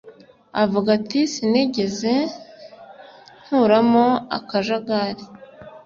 Avuga ati Sinigeze nkuramo akajagari